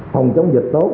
phòng chống dịch tốt